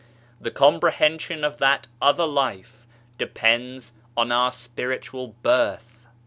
The Comprehension of that other life depends on our spiritual birth